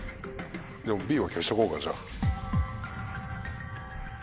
でもＢは消しとこうかじゃあ。